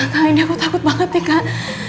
kak kak ini aku takut banget nih kak